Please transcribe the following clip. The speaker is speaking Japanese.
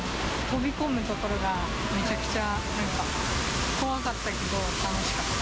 飛び込むところがめちゃくちゃ、なんか怖かったけど、楽しかった。